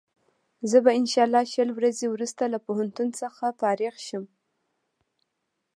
زه به انشا الله شل ورځې وروسته له پوهنتون څخه فارغ شم.